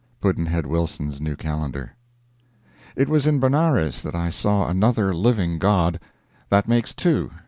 Pudd'nhead Wilson's New Calendar. It was in Benares that I saw another living god. That makes two.